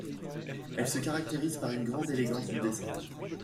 Elles se caractérisent par une grande élégance du dessin.